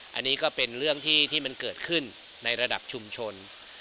อันนี้ก็เป็นเรื่องที่มันเกิดขึ้นในระดับชุมชน